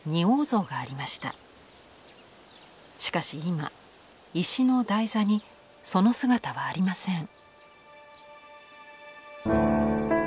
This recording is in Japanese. しかし今石の台座にその姿はありません。